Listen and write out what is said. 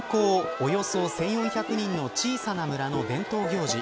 およそ１４００人の小さな村の伝統行事。